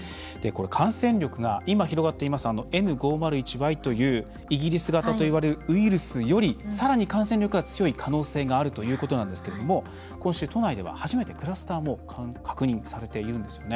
感染力が今広がっているＮ５０１Ｙというイギリス型といわれるウイルスよりさらに感染力が強い可能性があるということなんですが今週、都内では初めてクラスターも確認されているんですよね。